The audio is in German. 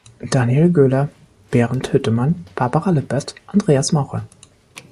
Daniel Göler, Bernd Hüttemann, Barbara Lippert, Andreas Maurer